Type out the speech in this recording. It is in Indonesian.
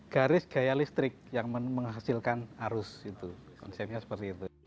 garis gaya listrik yang menghasilkan arus itu konsepnya seperti itu